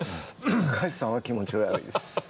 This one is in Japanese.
「高橋さん」は気持ち悪いです。